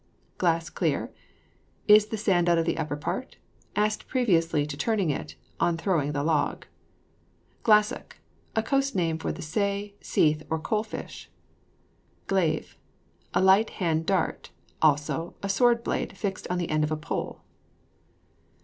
GLASS CLEAR? Is the sand out of the upper part? asked previously to turning it, on throwing the log. GLASSOK. A coast name for the say, seath, or coal fish. GLAVE. A light hand dart. Also, a sword blade fixed on the end of a pole.